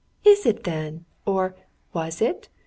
'Is it then?' or 'Was it?'